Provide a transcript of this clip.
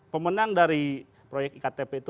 pemenang dari proyek iktp itu